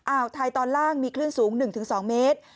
อ่าวไทยตอนล่างมีคลื่นสูง๑๒เมตร